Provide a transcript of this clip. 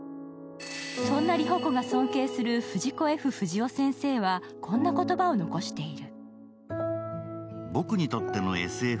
そんな理帆子が尊敬する藤子・Ｆ・不二雄先生はこんな言葉を残している。